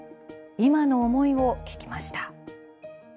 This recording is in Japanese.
今の思いを聞きました。